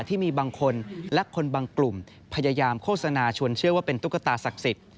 ที่มีบางคนและคนบางกลุ่มพยายามโฆษณาชวนเชื่อว่าเป็นตุ๊กตาศักดิ์สิทธิ์